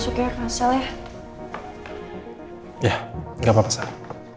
tak ada masalah